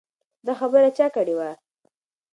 دا خبره چا کړې وه؟